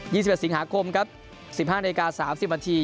ยี่สิบสิบสิบสิบหาคมครับสิบห้านาฬิกาสามสิบนาที